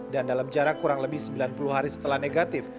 dan dalam jarak kurang lebih sembilan puluh hari setelah negatif